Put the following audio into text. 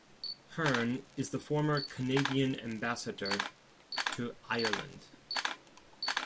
Hearn is the former Canadian Ambassador to Ireland.